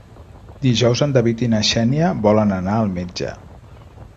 Dijous en David i na Xènia volen anar al metge.